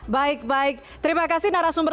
baik baik terima kasih narasumber